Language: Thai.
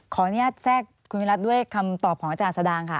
ขออนุญาตแทรกคุณวิรัติด้วยคำตอบของอาจารย์สดางค่ะ